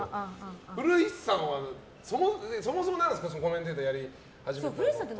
古市さんはそもそもコメンテーターやり始めたのは？